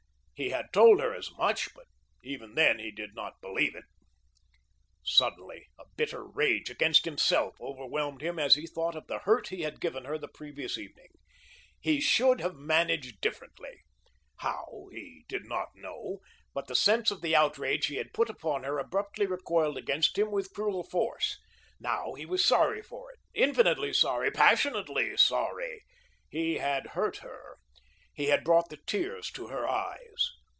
He had told her as much, but even then he did not believe it. Suddenly, a bitter rage against himself overwhelmed him as he thought of the hurt he had given her the previous evening. He should have managed differently. How, he did not know, but the sense of the outrage he had put upon her abruptly recoiled against him with cruel force. Now, he was sorry for it, infinitely sorry, passionately sorry. He had hurt her. He had brought the tears to her eyes.